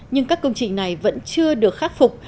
nhưng các công trình này vẫn chưa được khắc phục